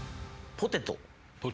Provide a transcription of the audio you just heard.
ポテト。